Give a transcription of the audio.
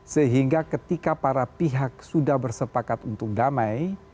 sehingga ketika para pihak sudah bersepakat untuk damai